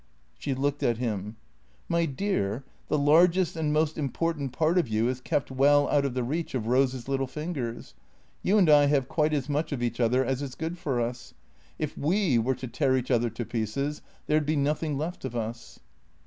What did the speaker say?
She looked at him. " My dear, the largest and most im portant part of you is kept well out of the reach of Rose's little fingers. You and I have quite as much of each other as is good for us. If we were to tear each other to pieces there 'd be nothing left of us."